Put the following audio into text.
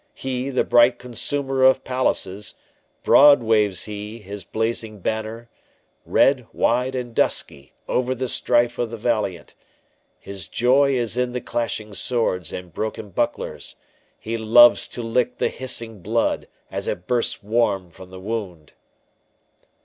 He, the bright consumer of palaces, Broad waves he his blazing banner, Red, wide and dusky, Over the strife of the valiant: His joy is in the clashing swords and broken bucklers; He loves to lick the hissing blood as it bursts warm from the wound!